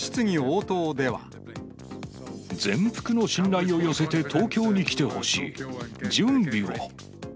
全幅の信頼を寄せて東京に来てほしい。準備を。